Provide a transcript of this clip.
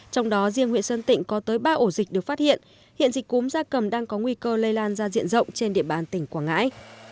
trong đó riêng huyện sơn tịnh có tới ba ổ dịch được phát hiện hiện dịch cúm gia cầm đang có nguy cơ lây lan ra diện rộng trên địa bàn tỉnh quảng ngãi